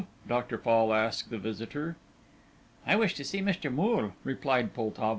Dr. Fall asked the visitor. "I wish to see Mr. Moole," replied Poltavo.